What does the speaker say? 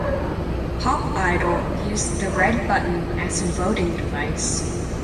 "Pop Idol" used the red button as a voting device.